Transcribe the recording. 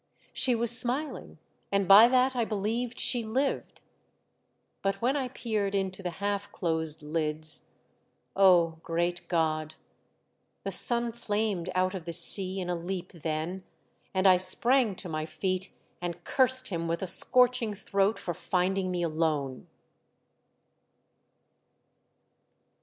She was smiling, and by that I believed she lived; ^lO THE DEATH SITTP, but when I peered into the half closed lids — oh, great God ! The sun flamed out of the sea in a leap then, and I sprang to my feet and cursed him with a scorching throat for finding me alone